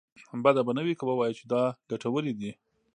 بده به نه وي که ووايو چې دا ګټورې دي.